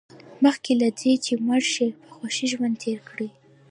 مخکې له دې چې مړ شئ په خوښۍ ژوند تېر کړئ.